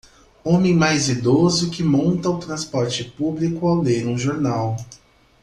Homem mais idoso que monta o transporte público ao ler um jornal.